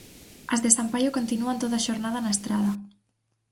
As de San Paio continúan toda a xornada na Estrada.